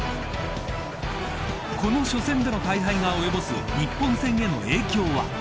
この初戦での大敗が及ぼす日本戦への影響は。